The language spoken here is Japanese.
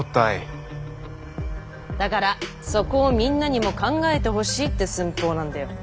だからそこをみんなにも考えてほしいって寸法なんだよ！